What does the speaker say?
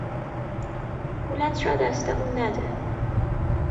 پولت را دست او نده!